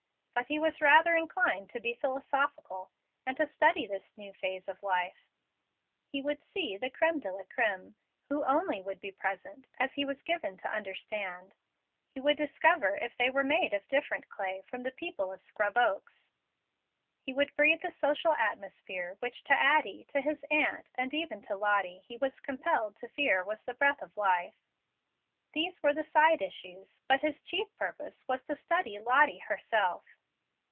But he was rather inclined to be philosophical, and to study this new phase of life. He would see the creme de la creme, who only would be present, as he was given to understand. He would discover if they were made of different clay from the people of Scrub Oaks. He would breathe the social atmosphere which to Addie, to his aunt, and even to Lottie, he was compelled to fear was as the breath of life. These were the side issues; but his chief purpose was to study Lottie herself.